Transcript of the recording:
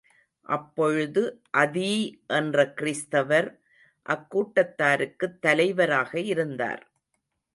அப்பொழுது அதீ என்ற கிறிஸ்தவர் அக்கூட்டத்தாருக்குத் தலைவராக இருந்தார்.